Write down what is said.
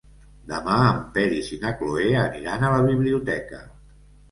Demà en Peris i na Cloè aniran a la biblioteca.